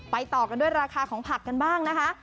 ต่อกันด้วยราคาของผักกันบ้างนะคะ